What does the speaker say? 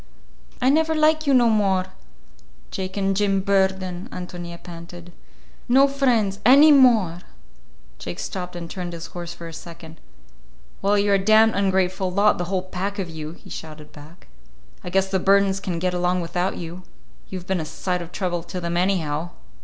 "I never like you no more, Jake and Jim Burden," Ántonia panted. "No friends any more!" Jake stopped and turned his horse for a second. "Well, you're a damned ungrateful lot, the whole pack of you," he shouted back. "I guess the Burdens can get along without you. You've been a sight of trouble to them, anyhow!"